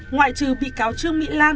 ngoại trừ bị cáo trương mỹ lan